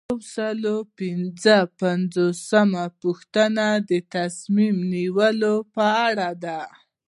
یو سل او پنځوسمه پوښتنه د تصمیم نیونې په اړه ده.